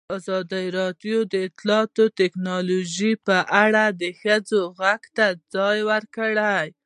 ازادي راډیو د اطلاعاتی تکنالوژي په اړه د ښځو غږ ته ځای ورکړی.